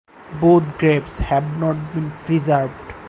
Both graves have not been preserved.